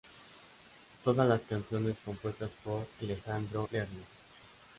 Todas las canciones compuestas por Alejandro Lerner.